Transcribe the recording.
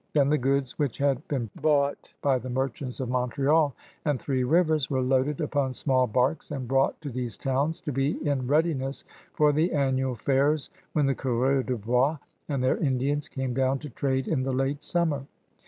Then the goods which had been bought by the merchants of Montreal and Three Rivers were loaded upon small barques and brought to these towns to be in readiness for the annual fairs when the coureurs de hois and their Indians came down to trade in the late summer.